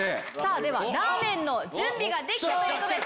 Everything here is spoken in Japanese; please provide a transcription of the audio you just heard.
ではラーメンの準備ができたということです。